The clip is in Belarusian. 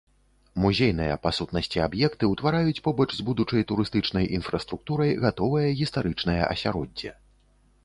Музейныя па сутнасці аб'екты ўтвараюць побач з будучай турыстычнай інфраструктурай гатовае гістарычнае асяроддзе.